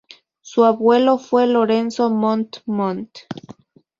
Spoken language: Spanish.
Su abuelo fue Lorenzo Montt Montt.